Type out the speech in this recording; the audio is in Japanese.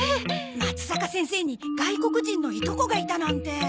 まつざか先生に外国人のいとこがいたなんて。